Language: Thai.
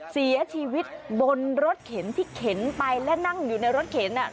เสียชีวิตบนรถเข็นที่เข็นไปและนั่งอยู่ในรถเข็น